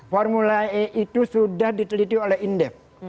formula e itu sudah diteliti oleh indef